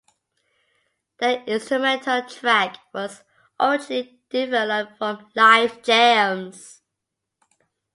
The instrumental track was originally developed from live jams.